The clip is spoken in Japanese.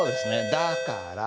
「だから」。